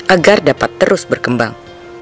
agar dapat terus berkembang